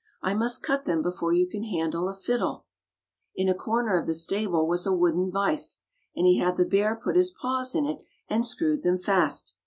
I must cut them before you can handle a fiddle." In a corner of the stable was a wooden vise, and he had the bear put his paws in it, and screwed them fast.